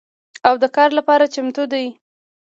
او د کار لپاره چمتو دي